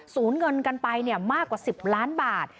เงินกันไปมากกว่า๑๐ล้านบาท